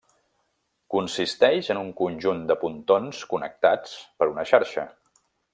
Consisteix en un conjunt de pontons connectats per una xarxa.